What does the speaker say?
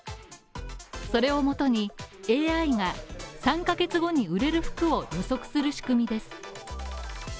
それをもとにＡＩが３ヶ月後に売れる服を予測する仕組みです。